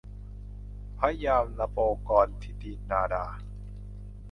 พระยามโนปกรณ์นิติธาดา